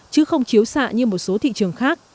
chứ không chiếu xạ như một số thị trường khác